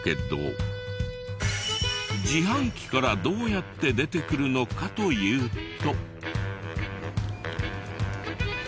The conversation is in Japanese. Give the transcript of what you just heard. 自販機からどうやって出てくるのかというと。